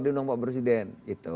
di undang pak presiden